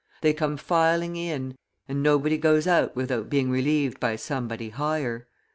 They come filing in, and nobody goes out without being relieved by somebody higher.